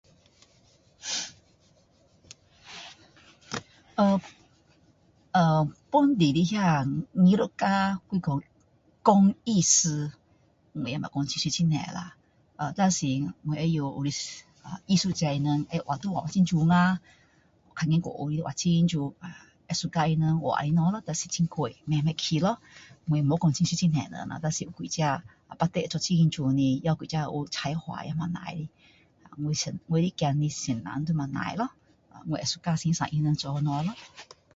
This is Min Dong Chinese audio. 啊本地的那艺术家，就是说工艺师，其实很多啦，但是我知道艺术家他们画图画很美啦，看他们画很美，会喜欢他们画的物咯，可是很贵，买不起咯，我没讲会识很多人啦，但这batik很美的，这有点有才华的不错的，我仔的先生都不错咯，我会喜欢欣赏他们做的物咯